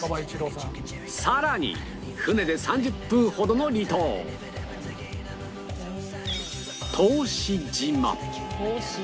さらに船で３０分ほどの離島答志島。